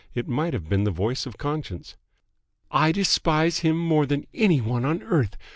It might have been the voice of Conscience. "I despise him more than any one on earth.